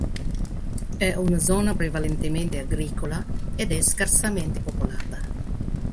È una zona prevalentemente agricola ed è scarsamente popolata.